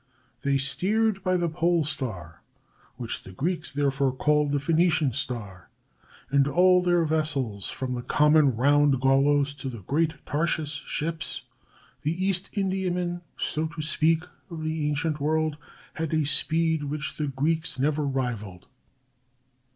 "They steered by the pole star, which the Greeks therefore called the Phenician star; and all their vessels, from the common round gaulos to the great Tarshish ships,—the East Indiamen, so to speak, of the ancient world,—had a speed which the Greeks never rivaled."